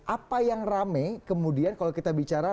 apa yang rame kemudian kalau kita bicara